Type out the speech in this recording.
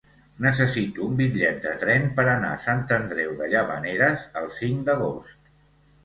Necessito un bitllet de tren per anar a Sant Andreu de Llavaneres el cinc d'agost.